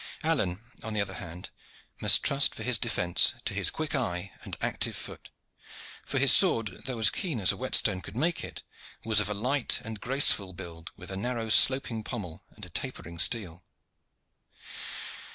Alleyne, on the other hand, must trust for his defence to his quick eye and active foot for his sword, though keen as a whetstone could make it, was of a light and graceful build with a narrow, sloping pommel and a tapering steel.